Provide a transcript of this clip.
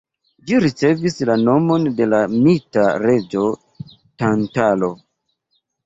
Ĝi ricevis la nomon de la mita reĝo Tantalo.